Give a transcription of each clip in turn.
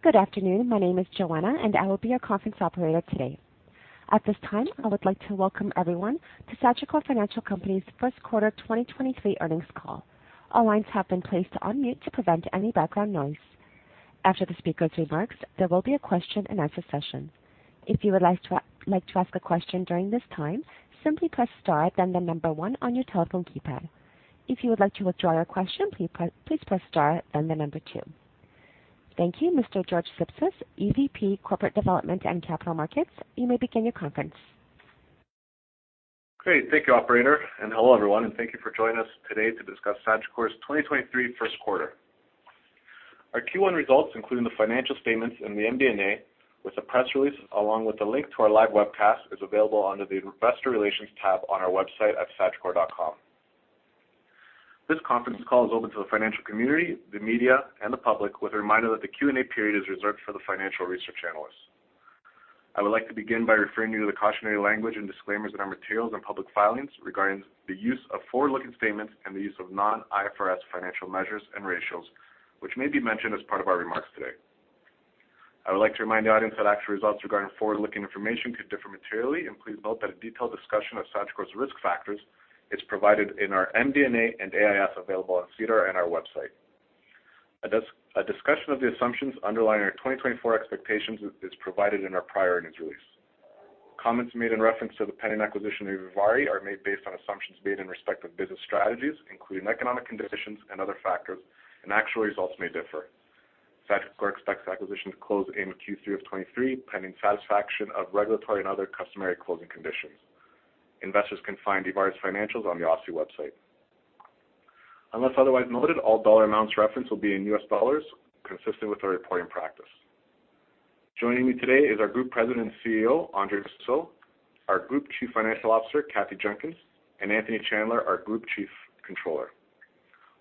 Good afternoon. My name is Joanna, and I will be your conference operator today. At this time, I would like to welcome everyone to Sagicor Financial Company's First Quarter 2023 Earnings Call. All lines have been placed on mute to prevent any background noise. After the speaker's remarks, there will be a question and answer session. If you would like to ask a question during this time, simply press star then the number one on your telephone keypad. If you would like to withdraw your question, please press star then the number two. Thank you. Mr. George Sipsis, EVP, Corporate Development and Capital Markets, you may begin your conference. Great. Thank you, operator. Hello, everyone, and thank you for joining us today to discuss Sagicor's 2023 First Quarter. Our Q1 results, including the financial statements in the MD&A with the press release, along with a link to our live webcast, is available under the Investor Relations tab on our website at sagicor.com. This conference call is open to the financial community, the media, and the public with a reminder that the Q&A period is reserved for the financial research analysts. I would like to begin by referring you to the cautionary language and disclaimers in our materials and public filings regarding the use of forward-looking statements and the use of non-IFRS financial measures and ratios, which may be mentioned as part of our remarks today. I would like to remind the audience that actual results regarding forward-looking information could differ materially. Please note that a detailed discussion of Sagicor's risk factors is provided in our MD&A and AIS available on SEDAR and our website. A discussion of the assumptions underlying our 2024 expectations is provided in our prior earnings release. Comments made in reference to the pending acquisition of ivari are made based on assumptions made in respect of business strategies, including economic conditions and other factors, and actual results may differ. Sagicor expects the acquisition to close in Q3 of 2023, pending satisfaction of regulatory and other customary closing conditions. Investors can find ivari's financials on the OSFI website. Unless otherwise noted, all dollar amounts referenced will be in U.S. dollars, consistent with our reporting practice. Joining me today is our Group President and CEO, Andre Mousseau, our Group Chief Financial Officer, Kathryn Jenkins, and Anthony Chandler, our Group Chief Controller.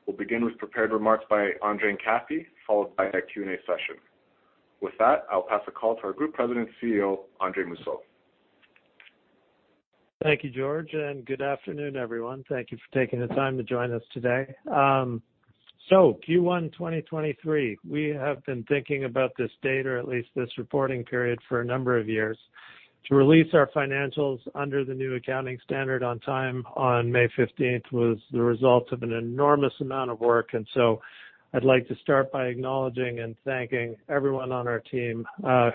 We'll begin with prepared remarks by Andre and Kathy, followed by a Q&A session. With that, I'll pass the call to our Group President and CEO, Andre Mousseau. Thank you, George, good afternoon, everyone. Thank you for taking the time to join us today. Q1 2023, we have been thinking about this date or at least this reporting period for a number of years. To release our financials under the new accounting standard on time on May 15th was the result of an enormous amount of work. I'd like to start by acknowledging and thanking everyone on our team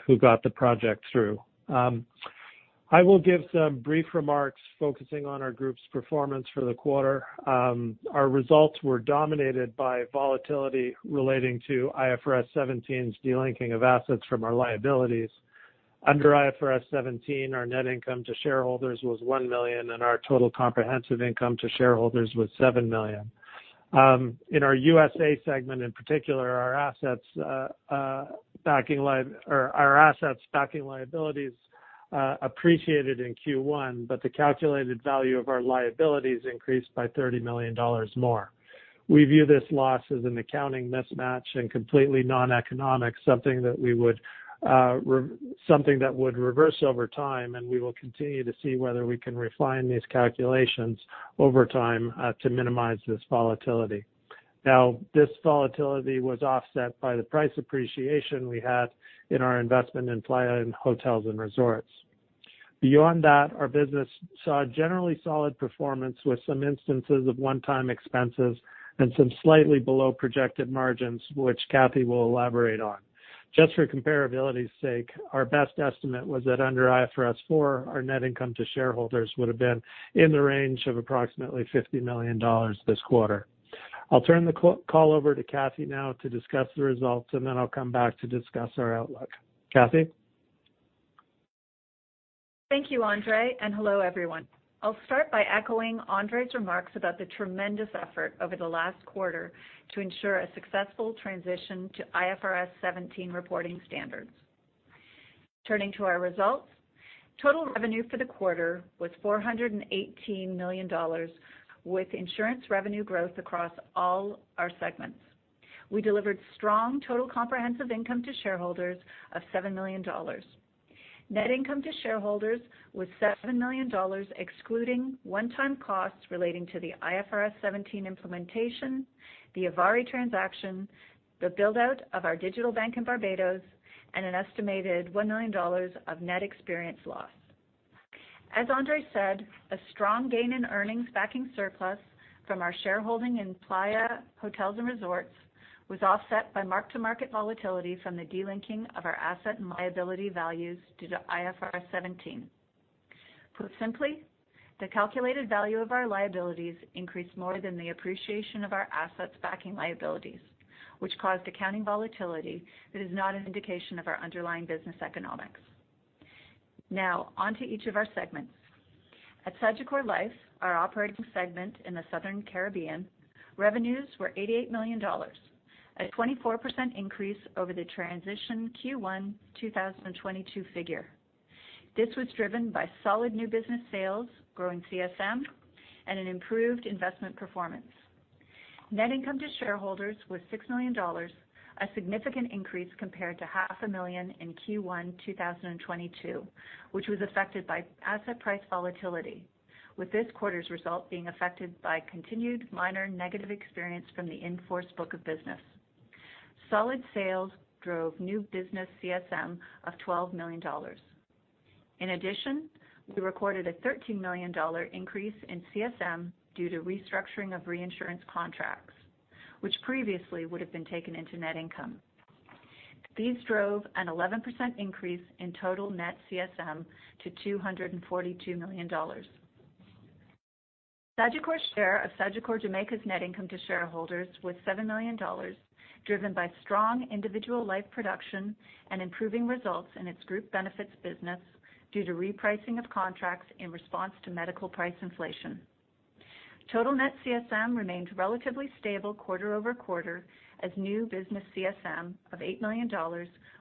who got the project through. I will give some brief remarks focusing on our group's performance for the quarter. Our results were dominated by volatility relating to IFRS 17's delinking of assets from our liabilities. Under IFRS 17, our net income to shareholders was $1 million, and our total comprehensive income to shareholders was $7 million. In our USA segment in particular, our assets backing liabilities appreciated in Q1, but the calculated value of our liabilities increased by $30 million more. We view this loss as an accounting mismatch and completely non-economic, something that would reverse over time, and we will continue to see whether we can refine these calculations over time to minimize this volatility. This volatility was offset by the price appreciation we had in our investment in Playa Hotels & Resorts. Beyond that, our business saw a generally solid performance with some instances of one-time expenses and some slightly below projected margins, which Kathy will elaborate on. Just for comparability's sake, our best estimate was that under IFRS 4, our net income to shareholders would have been in the range of approximately $50 million this quarter. I'll turn the call over to Kathy now to discuss the results, and then I'll come back to discuss our outlook. Kathy? Thank you, Andre, and hello, everyone. I'll start by echoing Andre's remarks about the tremendous effort over the last quarter to ensure a successful transition to IFRS 17 reporting standards. Turning to our results, total revenue for the quarter was $418 million, with insurance revenue growth across all our segments. We delivered strong total comprehensive income to shareholders of $7 million. Net income to shareholders was $7 million, excluding one-time costs relating to the IFRS 17 implementation, the ivari transaction, the build-out of our digital bank in Barbados, and an estimated $1 million of net experience loss. As Andre said, a strong gain in earnings backing surplus from our shareholding in Playa Hotels & Resorts was offset by mark-to-market volatility from the delinking of our asset and liability values due to IFRS 17. Put simply, the calculated value of our liabilities increased more than the appreciation of our assets backing liabilities, which caused accounting volatility that is not an indication of our underlying business economics. On to each of our segments. At Sagicor Life, our operating segment in the Southern Caribbean, revenues were $88 million, a 24% increase over the transition Q1 2022 figure. This was driven by solid new business sales, growing CSM, and an improved investment performance. Net income to shareholders was $6 million, a significant increase compared to half a million in Q1 2022, which was affected by asset price volatility. With this quarter's result being affected by continued minor negative experience from the in-force book of business. Solid sales drove new business CSM of $12 million. In addition, we recorded a $13 million increase in CSM due to restructuring of reinsurance contracts, which previously would have been taken into net income. These drove an 11% increase in total net CSM to $242 million. Sagicor's share of Sagicor Jamaica's net income to shareholders was $7 million, driven by strong individual life production and improving results in its group benefits business due to repricing of contracts in response to medical price inflation. Total net CSM remained relatively stable quarter-over-quarter as new business CSM of $8 million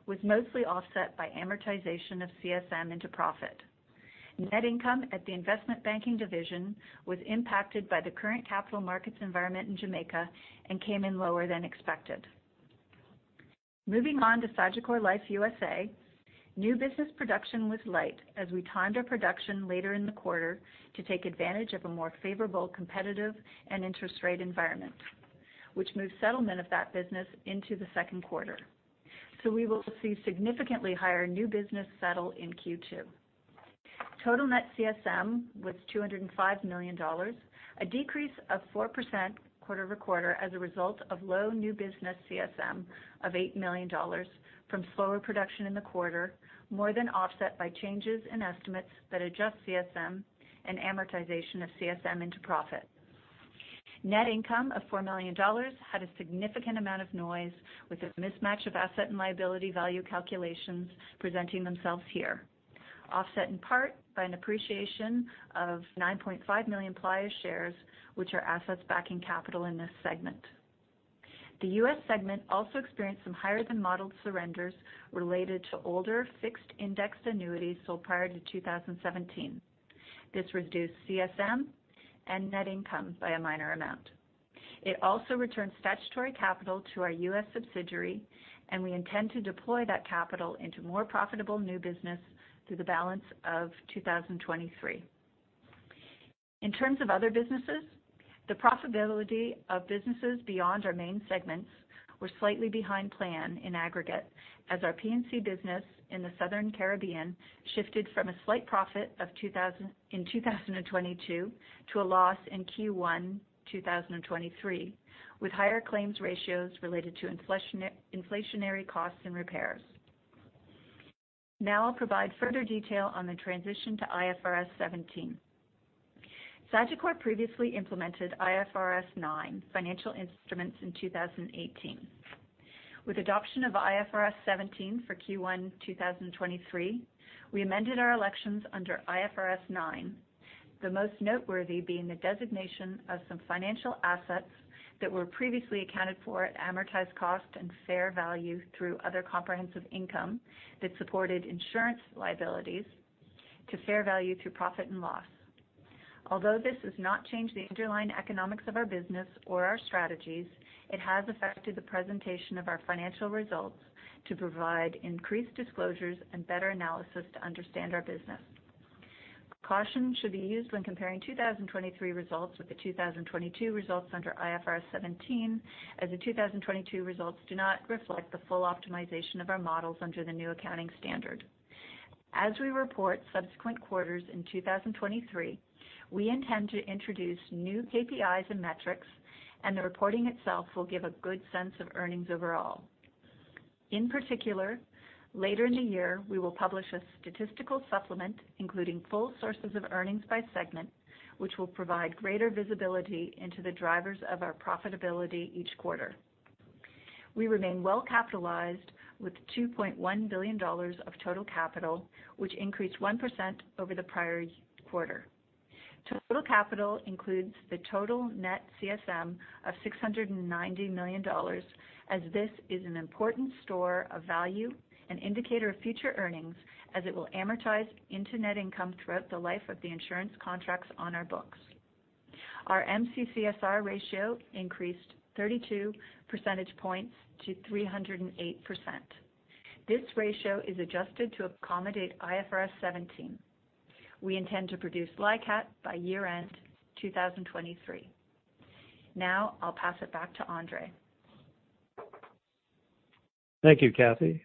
was mostly offset by amortization of CSM into profit. Net income at the investment banking division was impacted by the current capital markets environment in Jamaica and came in lower than expected. Moving on to Sagicor Life USA, new business production was light as we timed our production later in the quarter to take advantage of a more favorable competitive and interest rate environment, which moved settlement of that business into the second quarter. We will see significantly higher new business settle in Q2. Total net CSM was $205 million, a decrease of 4% quarter-over-quarter as a result of low new business CSM of $8 million from slower production in the quarter, more than offset by changes in estimates that adjust CSM and amortization of CSM into profit. Net income of $4 million had a significant amount of noise, with a mismatch of asset and liability value calculations presenting themselves here, offset in part by an appreciation of $9.5 million Playa shares, which are assets backing capital in this segment. The U.S. segment also experienced some higher than modeled surrenders related to older Fixed Indexed Annuities sold prior to 2017. This reduced CSM and net income by a minor amount. It also returned statutory capital to our U.S. subsidiary. We intend to deploy that capital into more profitable new business through the balance of 2023. In terms of other businesses, the profitability of businesses beyond our main segments were slightly behind plan in aggregate as our P&C business in the Southern Caribbean shifted from a slight profit in 2022 to a loss in Q1 2023, with higher claims ratios related to inflationary costs and repairs. I'll provide further detail on the transition to IFRS 17. Sagicor previously implemented IFRS 9 financial instruments in 2018. With adoption of IFRS 17 for Q1 2023, we amended our elections under IFRS 9, the most noteworthy being the designation of some financial assets that were previously accounted for at amortized cost and fair value through other comprehensive income that supported insurance liabilities to fair value through profit or loss. This has not changed the underlying economics of our business or our strategies, it has affected the presentation of our financial results to provide increased disclosures and better analysis to understand our business. Caution should be used when comparing 2023 results with the 2022 results under IFRS 17, as the 2022 results do not reflect the full optimization of our models under the new accounting standard. As we report subsequent quarters in 2023, we intend to introduce new KPIs and metrics, and the reporting itself will give a good sense of earnings overall. In particular, later in the year, we will publish a statistical supplement, including full sources of earnings by segment, which will provide greater visibility into the drivers of our profitability each quarter. We remain well-capitalized with $2.1 billion of total capital, which increased 1% over the prior quarter. Total capital includes the total net CSM of $690 million, as this is an important store of value and indicator of future earnings as it will amortize into net income throughout the life of the insurance contracts on our books. Our MCCSR ratio increased 32 percentage points to 308%. This ratio is adjusted to accommodate IFRS 17. We intend to produce LICAT by year-end 2023. I'll pass it back to Andre. Thank you, Kathy.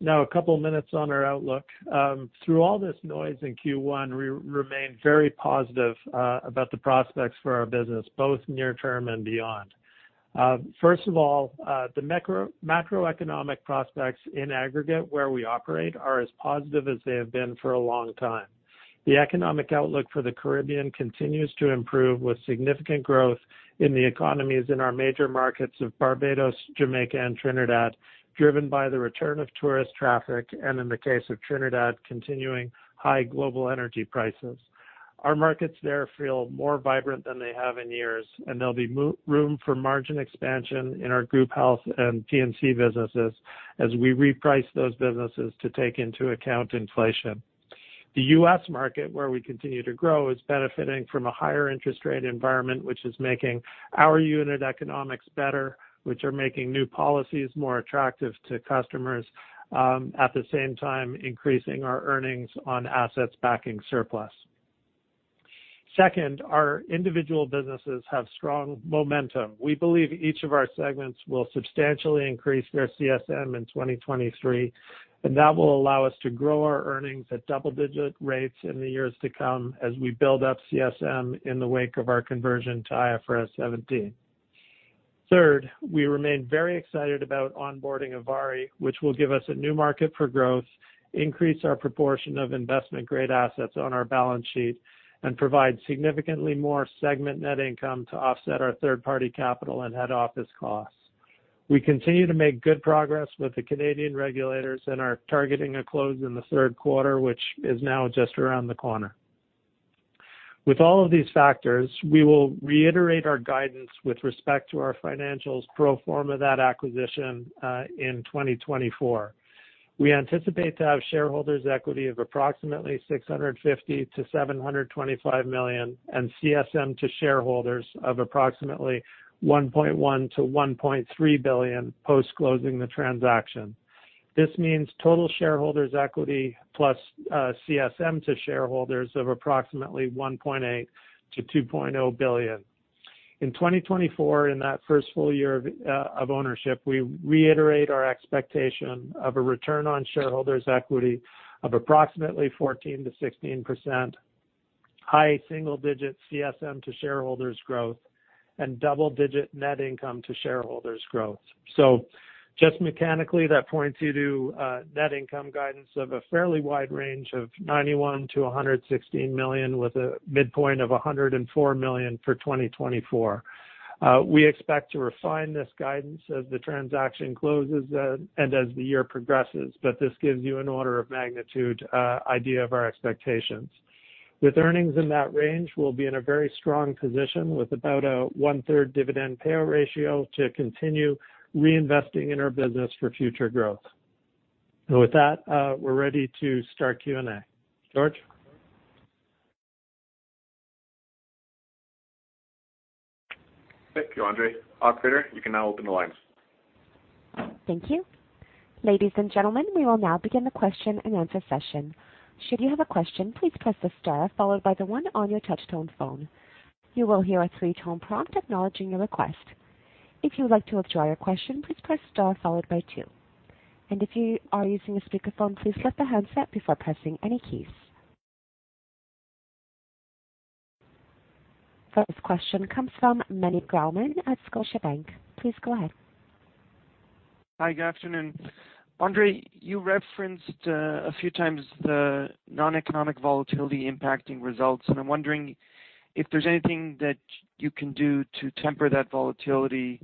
Now a couple of minutes on our outlook. Through all this noise in Q1, we remain very positive about the prospects for our business, both near term and beyond. First of all, the macroeconomic prospects in aggregate where we operate are as positive as they have been for a long time. The economic outlook for the Caribbean continues to improve with significant growth in the economies in our major markets of Barbados, Jamaica, and Trinidad, driven by the return of tourist traffic, and in the case of Trinidad, continuing high global energy prices. Our markets there feel more vibrant than they have in years, and there'll be room for margin expansion in our group health and P&C businesses as we reprice those businesses to take into account inflation. The U.S. market, where we continue to grow, is benefiting from a higher interest rate environment, which is making our unit economics better, which are making new policies more attractive to customers, at the same time increasing our earnings on assets backing surplus. Second, our individual businesses have strong momentum. We believe each of our segments will substantially increase their CSM in 2023, and that will allow us to grow our earnings at double-digit rates in the years to come as we build up CSM in the wake of our conversion to IFRS 17. Third, we remain very excited about onboarding ivari, which will give us a new market for growth, increase our proportion of investment grade assets on our balance sheet, and provide significantly more segment net income to offset our third-party capital and head office costs. We continue to make good progress with the Canadian regulators and are targeting a close in the third quarter, which is now just around the corner. With all of these factors, we will reiterate our guidance with respect to our financials pro forma that acquisition in 2024. We anticipate to have shareholders equity of approximately $650 million-$725 million and CSM to shareholders of approximately $1.1 billion-$1.3 billion post-closing the transaction. This means total shareholders equity plus CSM to shareholders of approximately $1.8 billion-$2.0 billion. In 2024, in that first full year of ownership, we reiterate our expectation of a return on shareholders equity of approximately 14%-16%, high single digit CSM to shareholders growth, and double-digit net income to shareholders growth. Just mechanically, that points you to net income guidance of a fairly wide range of $91 million-$116 million, with a midpoint of $104 million for 2024. We expect to refine this guidance as the transaction closes and as the year progresses, but this gives you an order of magnitude idea of our expectations. With earnings in that range, we'll be in a very strong position with about a one-third dividend payout ratio to continue reinvesting in our business for future growth. With that, we're ready to start Q&A. George? Thank you, Andre. Operator, you can now open the lines. Thank you. Ladies and gentlemen, we will now begin the question and answer session. Should you have a question, please press the star followed by the one on your touch tone phone. You will hear a three-tone prompt acknowledging your request. If you would like to withdraw your question, please press star followed by two. If you are using a speakerphone, please lift the handset before pressing any keys. First question comes from Meny Grauman at Scotiabank. Please go ahead. Hi, good afternoon. Andre, you referenced a few times the non-economic volatility impacting results. I'm wondering if there's anything that you can do to temper that volatility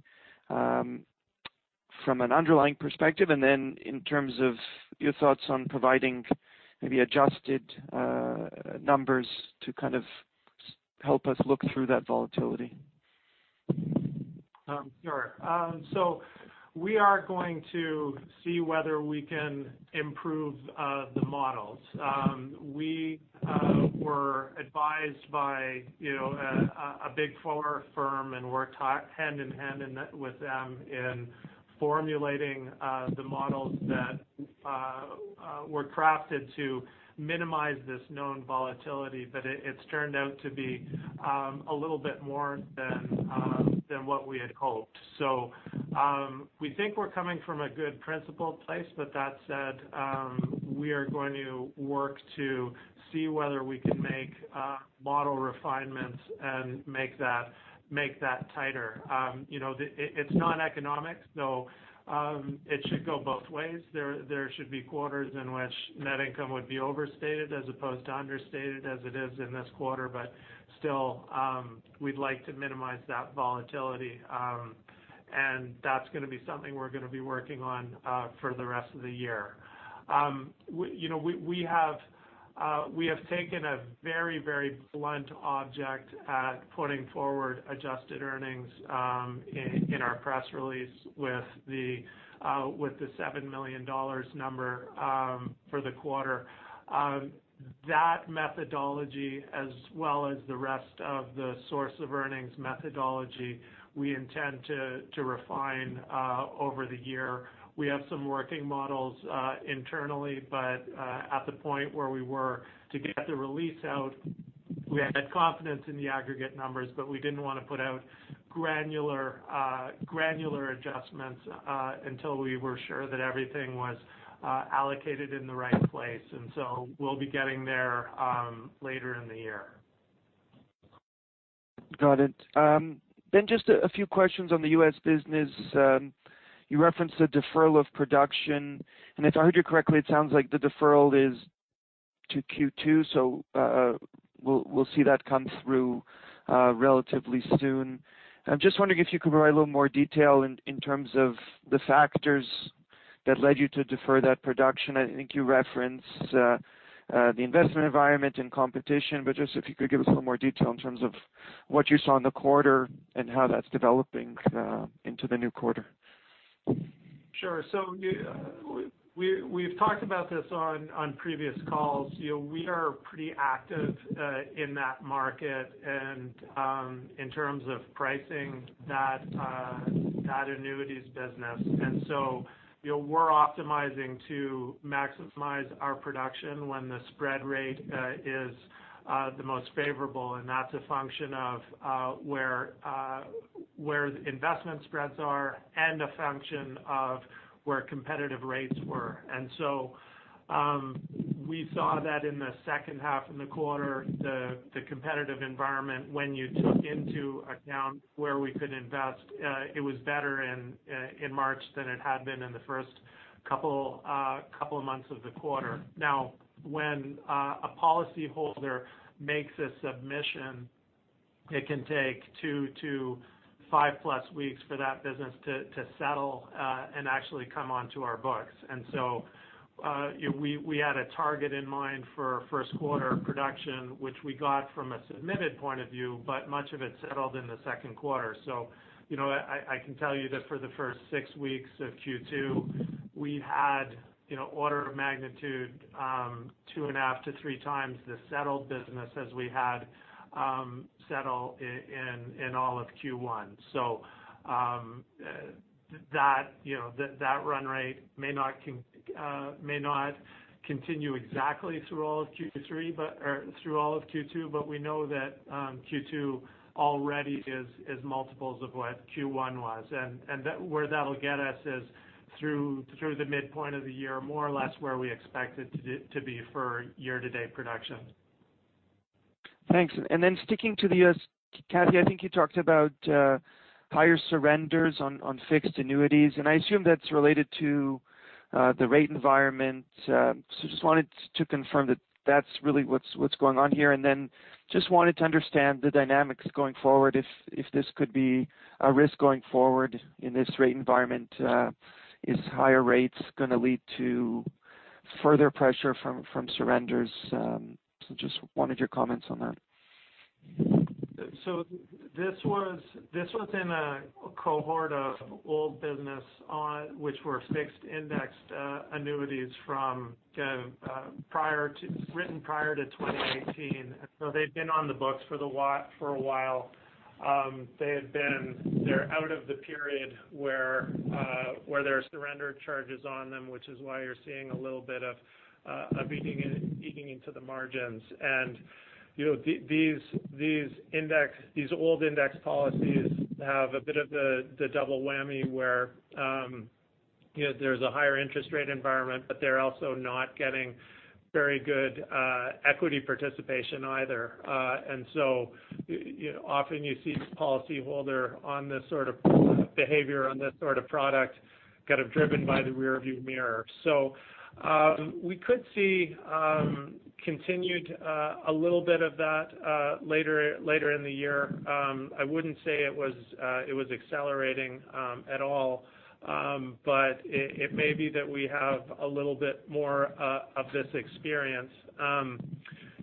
from an underlying perspective. In terms of your thoughts on providing maybe adjusted numbers to kind of help us look through that volatility. Sure. We are going to see whether we can improve the models. We were advised by, you know, a big four firm and worked hand-in-hand in that with them in formulating the models that were crafted to minimize this known volatility. It, it's turned out to be a little bit more than than what we had hoped. We think we're coming from a good principled place. That said, we are going to work to see whether we can make model refinements and make that, make that tighter. You know, it's non-economic, it should go both ways. There should be quarters in which net income would be overstated as opposed to understated as it is in this quarter. Still, we'd like to minimize that volatility. That's gonna be something we're gonna be working on for the rest of the year. We, you know, we have taken a very, very blunt object at putting forward adjusted earnings in our press release with the $7 million number for the quarter. That methodology as well as the rest of the source of earnings methodology we intend to refine over the year. We have some working models internally, but at the point where we were to get the release out, we had confidence in the aggregate numbers, but we didn't wanna put out granular adjustments until we were sure that everything was allocated in the right place. So we'll be getting there later in the year. Got it. Just a few questions on the U.S. business. You referenced the deferral of production, and if I heard you correctly, it sounds like the deferral is to Q2, so we'll see that come through relatively soon. I'm just wondering if you could provide a little more detail in terms of the factors that led you to defer that production. I think you referenced the investment environment and competition, but just if you could give us a little more detail in terms of what you saw in the quarter and how that's developing into the new quarter. Sure. We've talked about this on previous calls. You know, we are pretty active in that market and in terms of pricing that annuities business. You know, we're optimizing to maximize our production when the spread rate is the most favorable, and that's a function of where investment spreads are and a function of where competitive rates were. We saw that in the second half in the quarter, the competitive environment when you took into account where we could invest, it was better in March than it had been in the first couple of months of the quarter. When a policyholder makes a submission, it can take two to five+ weeks for that business to settle and actually come onto our books. We had a target in mind for first quarter production, which we got from a submitted point of view, but much of it settled in the second quarter. You know, I can tell you that for the first six weeks of Q2, we had, you know, order of magnitude, 2.5 to three times the settled business as we had settle in all of Q1. That, you know, that run rate may not continue exactly through all of Q3, or through all of Q2, but we know that Q2 already is multiples of what Q1 was. That where that'll get us is through the midpoint of the year, more or less where we expect it to be for year-to-date production. Thanks. Then sticking to the U.S., Kathy, I think you talked about higher surrenders on fixed annuities, and I assume that's related to the rate environment. Just wanted to confirm that that's really what's going on here, and then just wanted to understand the dynamics going forward if this could be a risk going forward in this rate environment. Is higher rates gonna lead to further pressure from surrenders? Just wanted your comments on that. This was in a cohort of old business on which were Fixed Indexed Annuities from kind of, written prior to 2018. They've been on the books for a while. They're out of the period where there are surrender charges on them, which is why you're seeing a little bit of eating into the margins. You know, these index, these old index policies have a bit of the double whammy where, you know, there's a higher interest rate environment, but they're also not getting very good equity participation either. You know, often you see policyholder on this sort of behavior, on this sort of product kind of driven by the rearview mirror. We could see continued a little bit of that later in the year. I wouldn't say it was accelerating at all. But it may be that we have a little bit more of this experience.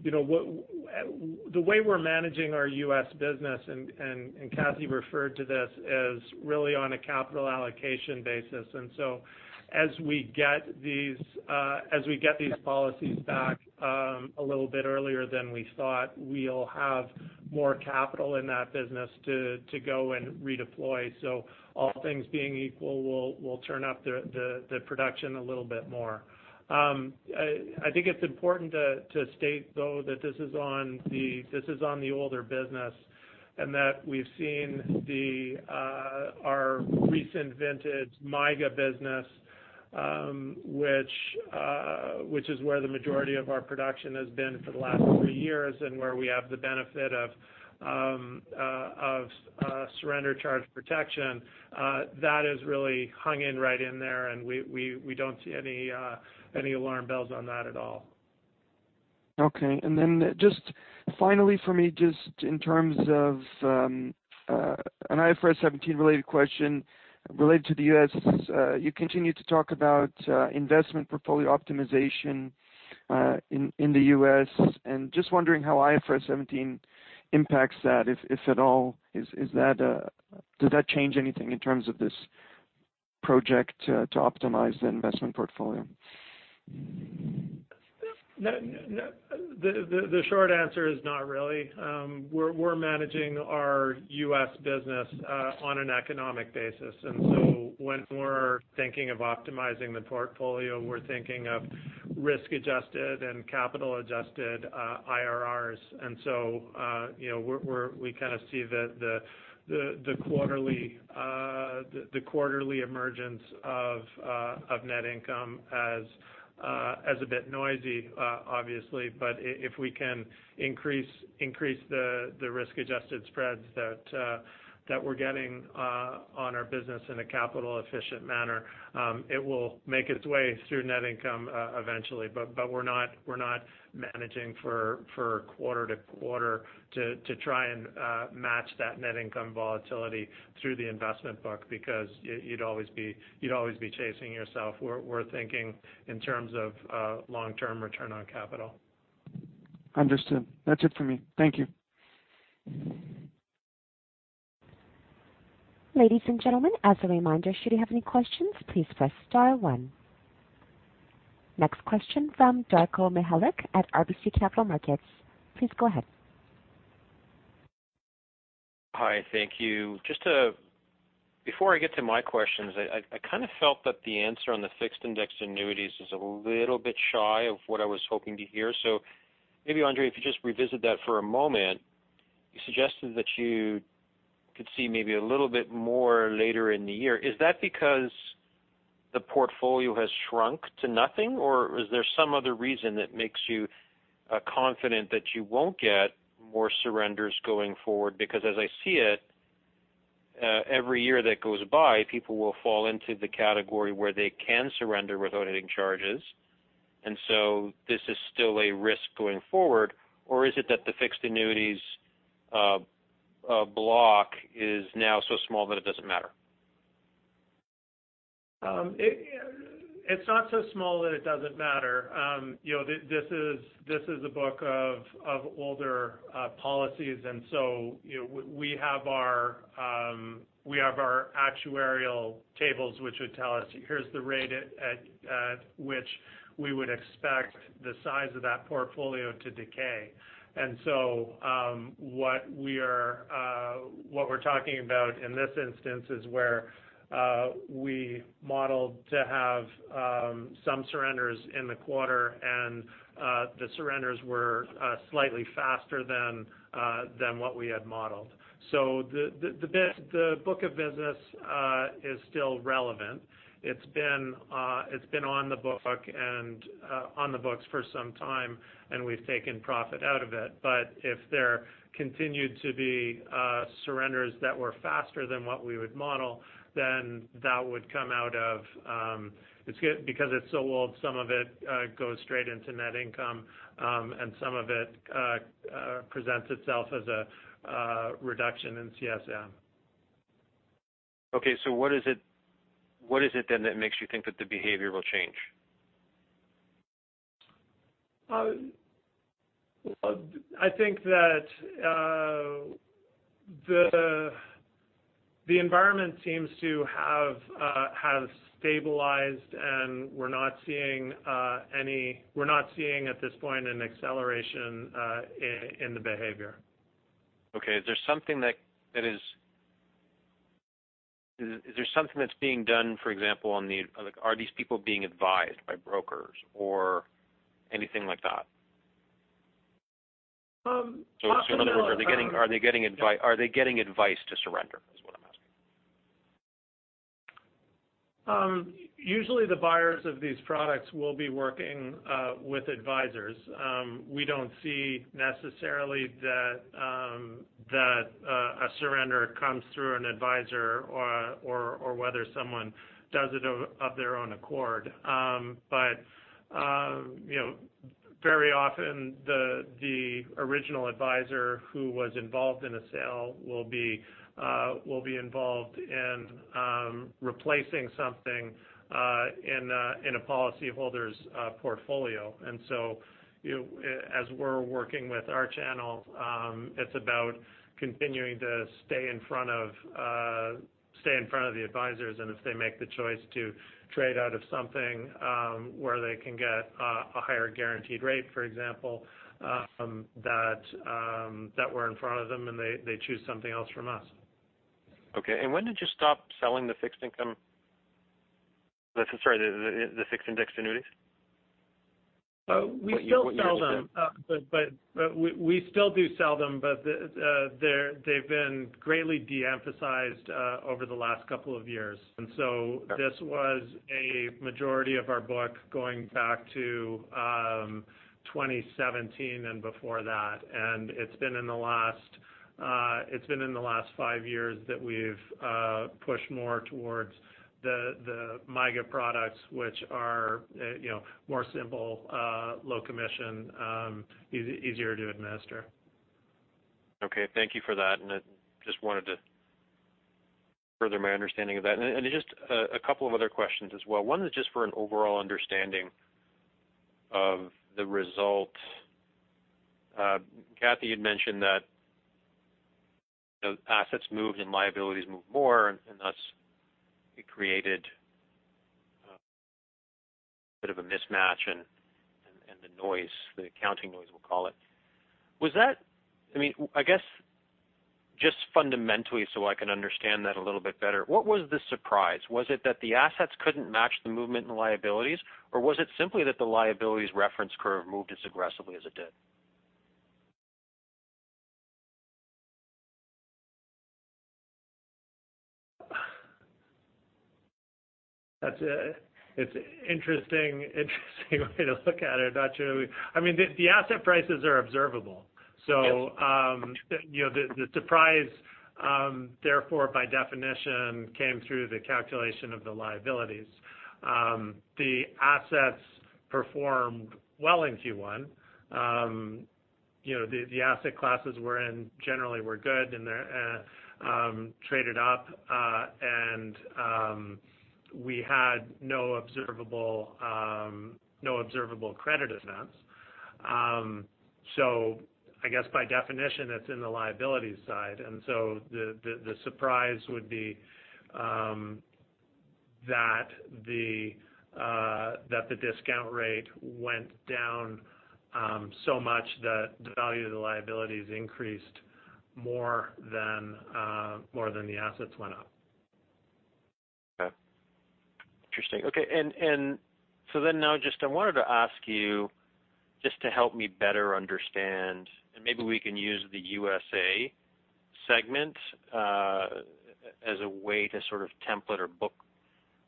you know, what the way we're managing our U.S. business, and Kathy referred to this, is really on a capital allocation basis. As we get these policies back a little bit earlier than we thought, we'll have more capital in that business to go and redeploy. All things being equal, we'll turn up the production a little bit more. I think it's important to state though that this is on the older business, and that we've seen our recent vintage MYGA business, which is where the majority of our production has been for the last three years and where we have the benefit of surrender charge protection. That has really hung in right in there, and we don't see any alarm bells on that at all. Okay. Just finally for me, just in terms of an IFRS 17 related question related to the U.S., you continue to talk about investment portfolio optimization in the U.S., and just wondering how IFRS 17 impacts that, if at all. Is that, does that change anything in terms of this project to optimize the investment portfolio? The short answer is not really. We're managing our U.S. business on an economic basis. When we're thinking of optimizing the portfolio, we're thinking of risk-adjusted and capital-adjusted IRRs. You know, we kind of see the quarterly emergence of net income as a bit noisy, obviously. If we can increase the risk-adjusted spreads that we're getting on our business in a capital efficient manner, it will make its way through net income eventually. We're not managing for quarter to quarter to try and match that net income volatility through the investment book because you'd always be chasing yourself. We're thinking in terms of long-term return on capital. Understood. That's it for me. Thank you. Ladies and gentlemen, as a reminder, should you have any questions, please press star one. Next question from Darko Mihelic at RBC Capital Markets. Please go ahead. Hi. Thank you. Before I get to my questions, I kind of felt that the answer on the Fixed Indexed Annuities is a little bit shy of what I was hoping to hear. Maybe, Andre, if you just revisit that for a moment. You suggested that you could see maybe a little bit more later in the year. Is that because the portfolio has shrunk to nothing, or is there some other reason that makes you confident that you won't get more surrenders going forward? Because as I see it, every year that goes by, people will fall into the category where they can surrender without any charges, and so this is still a risk going forward. Is it that the fixed annuities block is now so small that it doesn't matter? It's not so small that it doesn't matter. You know, this is a book of older policies. You know, we have our actuarial tables, which would tell us, here's the rate at which we would expect the size of that portfolio to decay. What we are talking about in this instance is where we modeled to have some surrenders in the quarter, and the surrenders were slightly faster than what we had modeled. The book of business is still relevant. It's been on the book and on the books for some time, and we've taken profit out of it. If there continued to be, surrenders that were faster than what we would model, then that would come out of. Because it's so old, some of it, goes straight into net income, and some of it, presents itself as a reduction in CSM. Okay. what is it then that makes you think that the behavior will change? I think that the environment seems to have stabilized. We're not seeing at this point an acceleration in the behavior. Okay. Is there something that's being done, for example, like, are these people being advised by brokers or anything like that? Possibly. In other words, are they getting advice to surrender is what I'm asking? Usually the buyers of these products will be working with advisors. We don't see necessarily that a surrender comes through an advisor or whether someone does it of their own accord. You know, very often the original advisor who was involved in a sale will be involved in replacing something in a policyholder's portfolio. As we're working with our channel, it's about continuing to stay in front of the advisors. If they make the choice to trade out of something, where they can get a higher guaranteed rate, for example, that we're in front of them and they choose something else from us. Okay. when did you stop selling Sorry, the Fixed Indexed Annuities? What year was that? We still sell them. But we still do sell them, but they've been greatly de-emphasized over the last couple of years. This was a majority of our book going back to 2017 and before that. It's been in the last 5 years that we've pushed more towards the MYGA products, which are, you know, more simple, low commission, easier to administer. Okay. Thank you for that. I just wanted to further my understanding of that. Just a couple of other questions as well. One is just for an overall understanding of the result. Kathy had mentioned that, you know, assets moved and liabilities moved more and thus it created a bit of a mismatch and the noise, the accounting noise we'll call it. I mean, I guess just fundamentally so I can understand that a little bit better, what was the surprise? Was it that the assets couldn't match the movement in the liabilities, or was it simply that the liabilities reference curve moved as aggressively as it did? It's interesting way to look at it, actually. I mean, the asset prices are observable. Yes. You know, the surprise, therefore by definition, came through the calculation of the liabilities. The assets performed well in Q1. You know, the asset classes we're in generally were good and they're traded up. We had no observable, no observable credit events. I guess by definition it's in the liability side. The, the surprise would be that the, that the discount rate went down so much that the value of the liabilities increased more than more than the assets went up. Okay. Interesting. Okay. Now just I wanted to ask you just to help me better understand, and maybe we can use the USA segment as a way to sort of template or book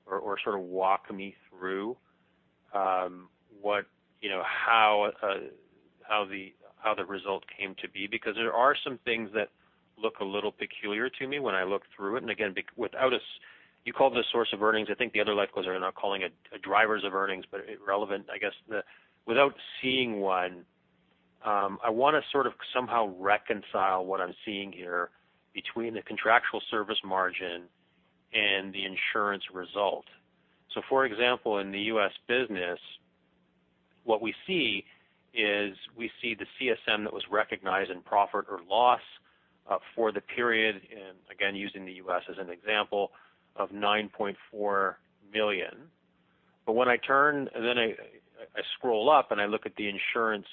or sort of walk me through what, you know, how the result came to be. There are some things that look a little peculiar to me when I look through it. Again, without a you call this Source of Earnings, I think the other life closer are now calling it Drivers of Earnings, irrelevant, I guess the. Without seeing one, I wanna sort of somehow reconcile what I'm seeing here between the contractual service margin and the insurance result. For example, in the U.S. business, what we see is we see the CSM that was recognized in profit or loss for the period, and again, using the U.S. as an example of $9.4 million. When I turn, then I scroll up and I look at the insurance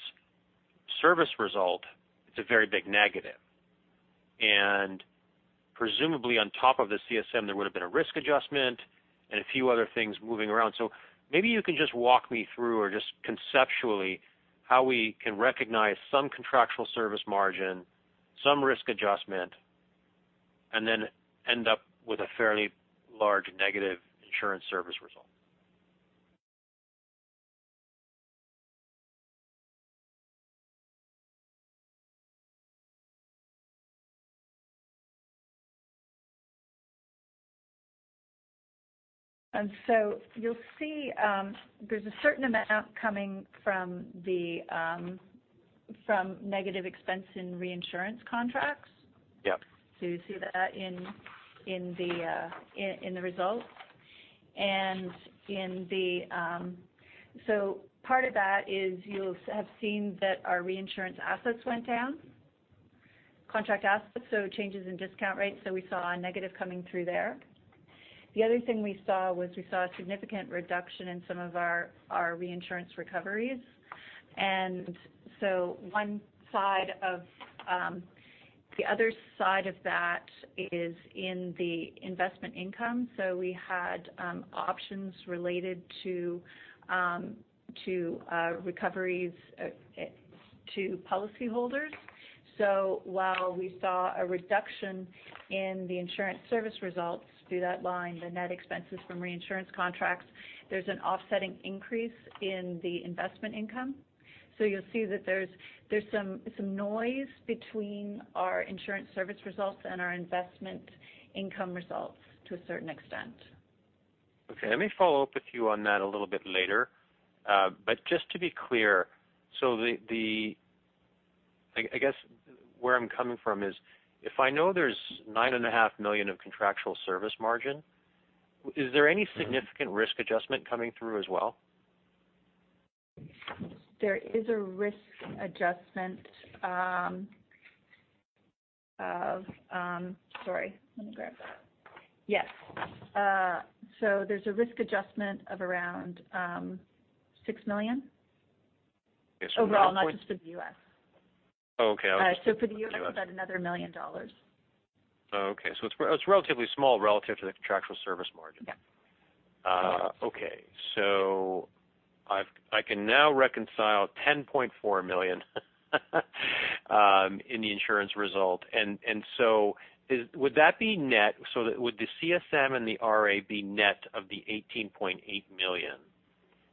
service result, it's a very big negative. Presumably on top of the CSM, there would've been a risk adjustment and a few other things moving around. Maybe you can just walk me through or just conceptually how we can recognize some contractual service margin, some risk adjustment, and then end up with a fairly large negative insurance service result. You'll see, there's a certain amount coming from the, from negative expense in reinsurance contracts. Yep. You see that in the results. Part of that is you'll have seen that our reinsurance assets went down, contract assets, so changes in discount rates, so we saw a negative coming through there. The other thing we saw was we saw a significant reduction in some of our reinsurance recoveries. One side of, the other side of that is in the investment income. We had options related to recoveries, to policy holders. While we saw a reduction in the insurance service results through that line, the net expenses from reinsurance contracts, there's some noise between our insurance service results and our investment income results to a certain extent. Okay, let me follow up with you on that a little bit later. Just to be clear, I guess where I'm coming from is, if I know there's nine and a half million of contractual service margin, is there any significant risk adjustment coming through as well? Sorry, let me grab that. Yes. There's a risk adjustment of around $6 million. Yes. Overall, not just for the U.S. Okay. For the U.S., about another $1 million. Okay. It's relatively small relative to the contractual service margin. Yeah. Okay. I can now reconcile $10.4 million in the insurance result. Would that be net? Would the CSM and the RA be net of the $18.8 million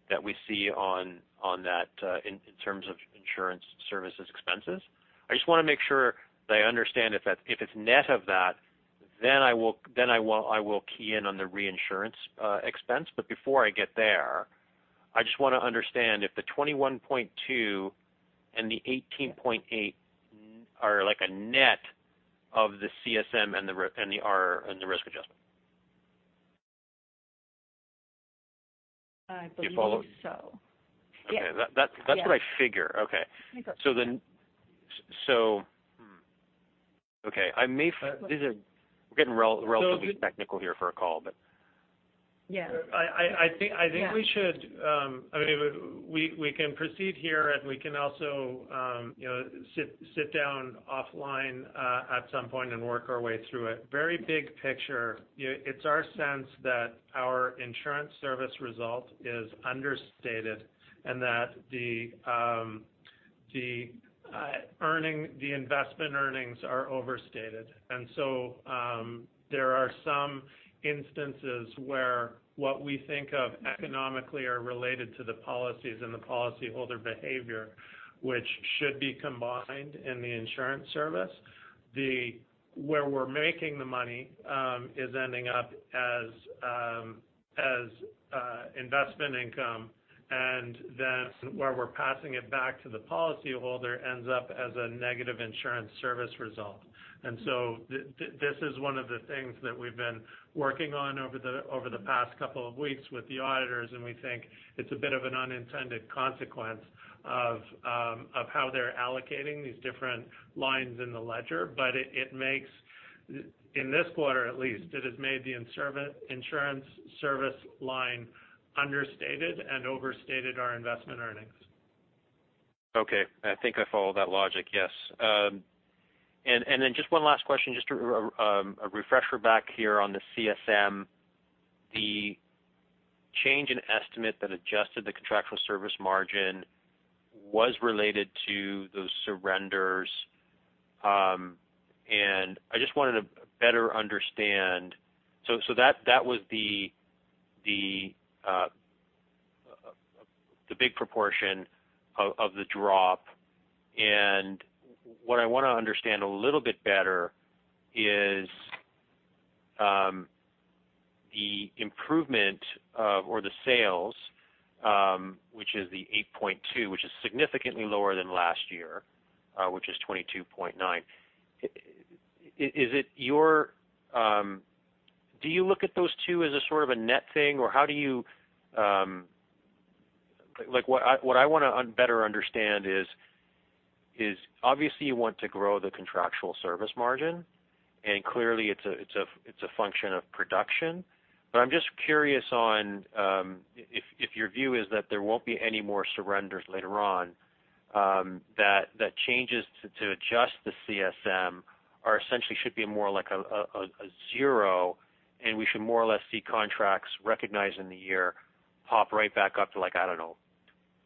that we see on that in terms of insurance services expenses? I just wanna make sure that I understand if it's net of that, then I will key in on the reinsurance expense. Before I get there, I just wanna understand if the $21.2 and the $18.8 are like a net of the CSM and the risk adjustment. I believe so. Do you follow? Yes. Okay. That's what I figure. Okay. I got you. Okay. We're getting relatively technical here for a call. Yeah. I think we should, I mean, we can proceed here and we can also, you know, sit down offline, at some point and work our way through it. Very big picture, you know, it's our sense that our insurance service result is understated and that the investment earnings are overstated. There are some instances where what we think of economically are related to the policies and the policy holder behavior, which should be combined in the insurance service. Where we're making the money is ending up as Investment income. Where we're passing it back to the policyholder ends up as a negative insurance service result. This is one of the things that we've been working on over the past couple of weeks with the auditors, and we think it's a bit of an unintended consequence of how they're allocating these different lines in the ledger. In this quarter at least, it has made the insurance service line understated and overstated our investment earnings. Okay. I think I follow that logic, yes. Then just one last question, just to a refresher back here on the CSM. The change in estimate that adjusted the contractual service margin was related to those surrenders. I just wanted to better understand. So that was the big proportion of the drop. What I wanna understand a little bit better is the improvement of, or the sales, which is the $8.2, which is significantly lower than last year, which is $22.9. Do you look at those two as a sort of a net thing? Or how do you? Like what I, what I wanna better understand is obviously you want to grow the contractual service margin, and clearly it's a function of production. I'm just curious on if your view is that there won't be any more surrenders later on, that changes to adjust the CSM are essentially should be more like a zero, we should more or less see contracts recognized in the year pop right back up to like, I don't know,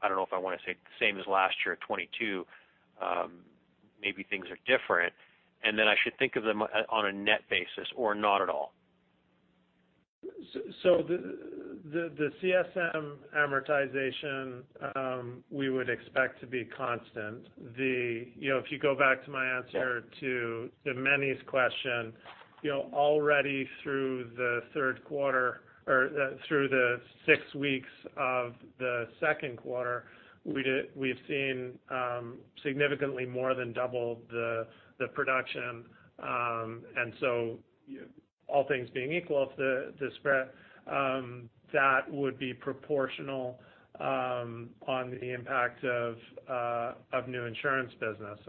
I don't know if I wanna say the same as last year, 2022, maybe things are different. I should think of them on a net basis or not at all. The CSM amortization, we would expect to be constant. The. You know, if you go back to my answer to Manny's question, you know, already through the third quarter or through the six weeks of the second quarter, we'd, we've seen significantly more than double the production. All things being equal, if the spread, that would be proportional on the impact of new insurance business.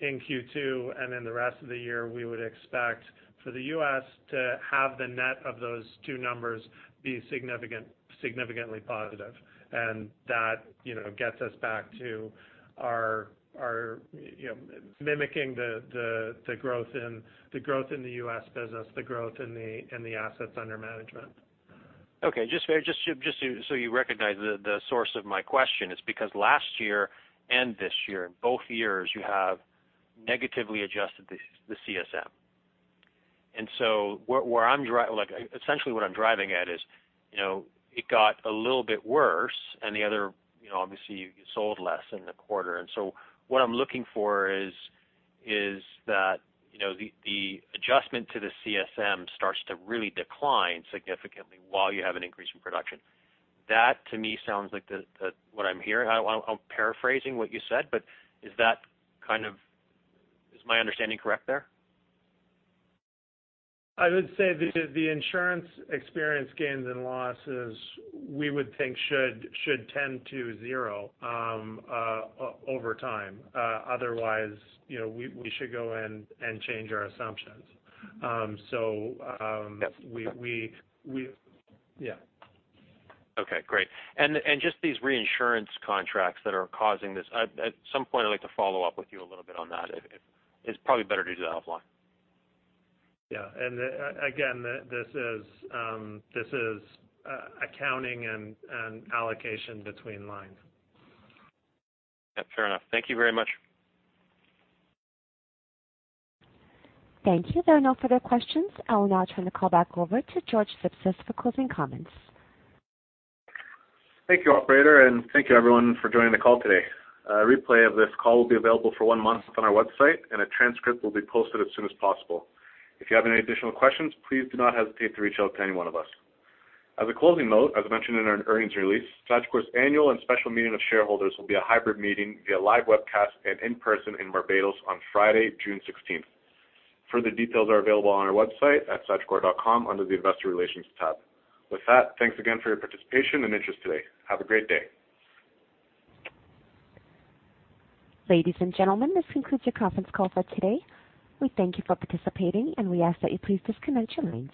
In Q2 and in the rest of the year, we would expect for the US to have the net of those two numbers be significant, significantly positive. That, you know, gets us back to our, you know, mimicking the growth in the U.S. business, the growth in the assets under management. Okay. Just very, just so you recognize the source of my question, it's because last year and this year, in both years you have negatively adjusted the CSM. Where I'm Like essentially what I'm driving at is, you know, it got a little bit worse and the other, you know, obviously you sold less in the quarter. What I'm looking for is that, you know, the adjustment to the CSM starts to really decline significantly while you have an increase in production. That to me sounds like the what I'm hearing. I'm paraphrasing what you said, is that kind of? Is my understanding correct there? I would say the insurance experience gains and losses, we would think should tend to zero, over time. Otherwise, you know, we should go and change our assumptions. We... Yeah. Okay, great. Just these reinsurance contracts that are causing this, at some point I'd like to follow up with you a little bit on that. It's probably better to do that offline. Yeah. again, this is, accounting and allocation between lines. Yeah, fair enough. Thank you very much. Thank you. There are no further questions. I will now turn the call back over to George Sipsis for closing comments. Thank you, operator, and thank you everyone for joining the call today. A replay of this call will be available for one month on our website, and a transcript will be posted as soon as possible. If you have any additional questions, please do not hesitate to reach out to any one of us. As a closing note, as mentioned in our earnings release, Sagicor's annual and special meeting of shareholders will be a hybrid meeting via live webcast and in person in Barbados on Friday, June 16th. Further details are available on our website at sagicor.com under the Investor Relations tab. With that, thanks again for your participation and interest today. Have a great day. Ladies and gentlemen, this concludes your conference call for today. We thank you for participating, and we ask that you please disconnect your lines.